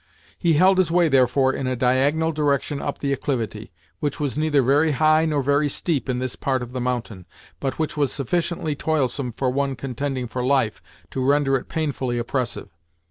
He held his way therefore, in a diagonal direction up the acclivity, which was neither very high nor very steep in this part of the mountain, but which was sufficiently toilsome for one contending for life, to render it painfully oppressive.